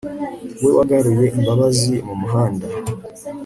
we wagaruye imbabazi mumuhanda